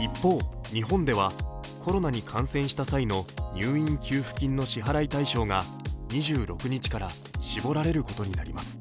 一方、日本ではコロナに感染した際の入院給付金の支払い対象が２６日から絞られることになります。